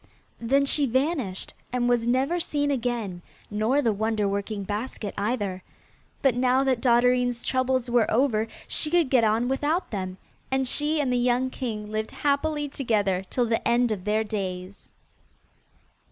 Then she vanished, and was never seen again, nor the wonder working basket either; but now that Dotterine's troubles were over she could get on without them, and she and the young king lived happily together till the end of their days.